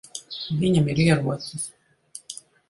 Viņam ir ierocis.